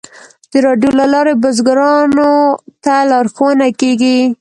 د راډیو له لارې بزګرانو ته لارښوونه کیږي.